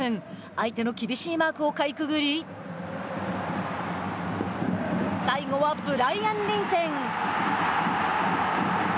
相手の厳しいマークをかいくぐり最後は、ブライアン・リンセン。